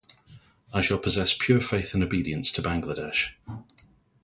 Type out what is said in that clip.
I shall possess pure faith and obedience to Bangladesh.